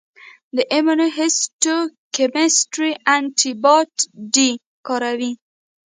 د ایمونوهیسټوکیمسټري انټي باډي کاروي.